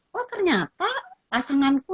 wah ternyata pasanganku